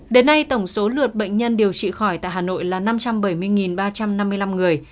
đến nay tổng số lượt bệnh nhân điều trị khỏi tại hà nội là năm trăm bảy mươi ba trăm năm mươi năm người